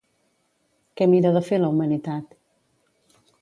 Què mira de fer la humanitat?